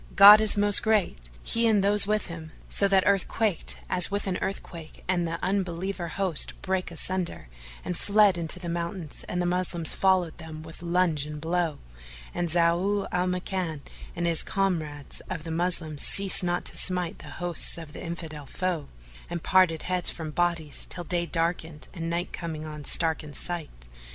God is most great! he and those with him, so that earth quaked as with an earthquake and the Unbeliever host brake asunder and fled into the mountains and the Moslems followed them with lunge and blow; and Zau al Makan and his comrades of the Moslems ceased not to smite the hosts of the Infidel foe, and parted heads from bodies till day darkened and night coming on starkened sight.